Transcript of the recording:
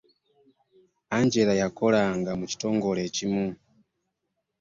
Angela yakolanga mu kitongole ekimu.